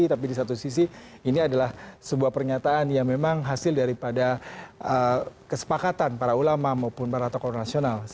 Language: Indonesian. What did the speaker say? tapi di satu sisi ini adalah sebuah pernyataan yang memang hasil daripada kesepakatan para ulama maupun para tokoh nasional